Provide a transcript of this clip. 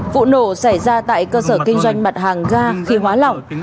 vụ nổ xảy ra tại cơ sở kinh doanh mặt hàng ga khí hóa lỏng